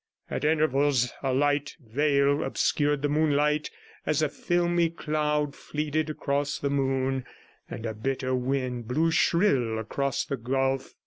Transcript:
At intervals a light veil obscured the moonlight, as a filmy cloud fleeted across the moon, and a bitter wind blew shrill across the gulf.